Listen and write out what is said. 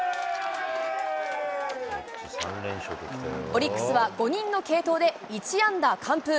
オリックスは５人の継投で、１安打完封。